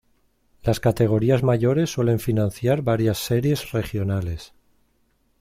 Las categorías mayores suelen financiar varias series regionales.